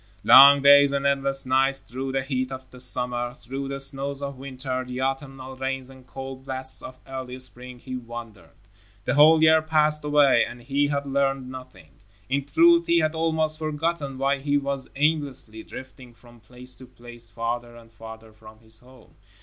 Long days and endless nights, through the heat of the summer, through the snows of winter, the autumnal rains and cold blasts of early spring, he wandered. A whole year passed away, and he had learned nothing. In truth, he had almost forgotten why he was aimlessly drifting from place to place, farther and farther from his home.